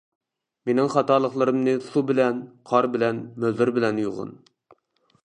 مېنىڭ خاتالىقلىرىمنى سۇ بىلەن، قار بىلەن، مۆلدۈر بىلەن يۇغىن.